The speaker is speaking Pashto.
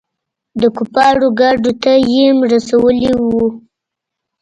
د کفارو ګاډو ته يېم رسولي وو.